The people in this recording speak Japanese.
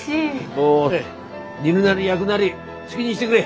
もうね煮るなり焼くなり好きにしてくれ。